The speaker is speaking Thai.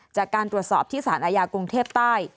จากการตรวจสอบที่สารอาญากรุงเทพใต้